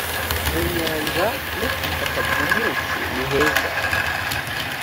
mu nyanja no ku butaka bwumutse niheza